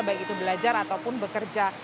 baik itu belajar ataupun bekerja